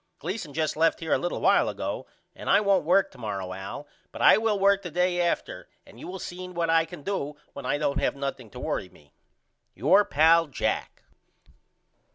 Gleason just left here a little while ago and I won't work to morrow Al but I will work the day after and you will see what I can do when I don't have nothing to worry me. Your pal, JACK.